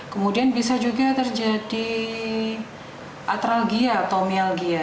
kemudian bisa juga terjadi atralgia atau mialgia